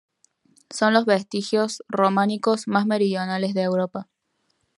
Son los vestigios románicos más meridionales de Europa.